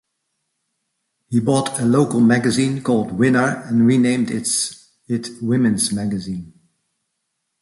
He bought a local magazine called "Winner" and renamed it "Woman's Magazine.